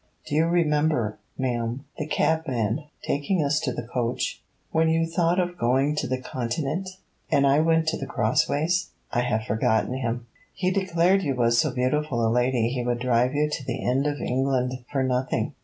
'Do you remember, ma'am, the cabman taking us to the coach, when you thought of going to the continent?' 'And I went to The Crossways? I have forgotten him.' 'He declared you was so beautiful a lady he would drive you to the end of England for nothing.'